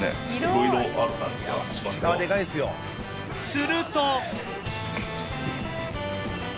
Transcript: すると